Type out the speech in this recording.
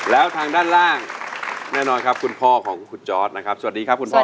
แล้วทางด้านล่างแน่นอนครับคุณพ่อของคุณจอร์ดนะครับสวัสดีครับคุณพ่อ